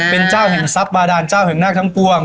เป็นเจ้าเห่สรรค์บรรดาเจ้าเห่งนาคทั้งปวง